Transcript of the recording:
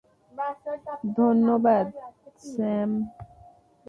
ধন্যবাদ, স্যাম।